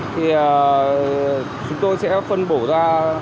thì chúng tôi sẽ phân bổ ra